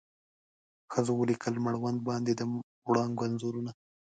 ښځو ولیکل مړوند باندې د وړانګو انځورونه